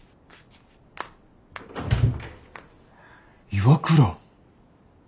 岩倉。